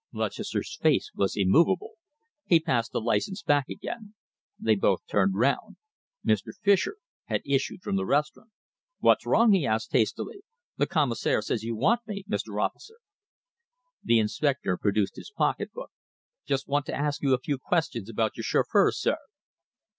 Lutchester's face was immovable. He passed the license back again. They both turned round. Mr. Fischer had issued from the restaurant. "What's wrong?" he asked hastily. "The commissionaire says you want me, Mr. Officer?" The inspector produced his pocketbook. "Just want to ask you a few questions about your chauffeur, sir."